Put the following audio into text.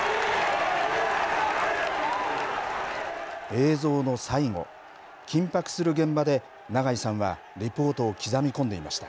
映像の最後緊迫する現場で長井さんはリポートを刻み込んでいました。